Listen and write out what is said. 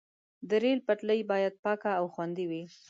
د ریل پټلۍ باید پاکه او خوندي وي.